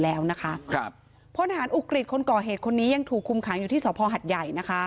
พลธนาภัณฑ์อุกลิษณ์คนก่อเหตุควรยังถูกขึ้นขังที่สระพอหัดใหญ่